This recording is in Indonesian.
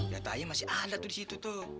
jatahnya masih ada tuh disitu tuh